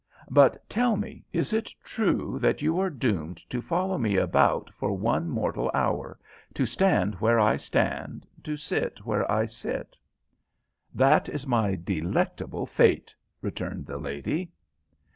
But, tell me, is it true that you are doomed to follow me about for one mortal hour to stand where I stand, to sit where I sit?" "That is my delectable fate," returned the lady.